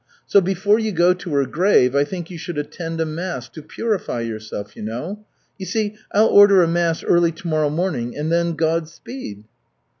So before you go to her grave I think you should attend a mass to purify yourself, you know. You see, I'll order a mass early tomorrow morning, and then Godspeed!"